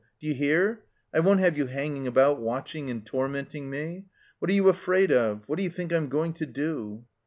D'you hear? I won't have you hanging about, watching and tonnenting me. What are you afraid of? What d'you think I'm going to do?"